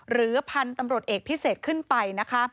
หรือพันธุ์ตำรวจเอกพิเศษขึ้นไปนะคะ